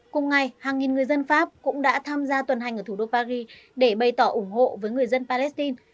cùng ngày hàng nghìn người dân pháp cũng đã tham gia tuần hành ở thủ đô paris để bày tỏ ủng hộ với người dân palestine